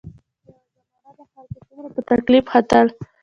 یوه زمانه به خلک څومره په تکلیف ختل.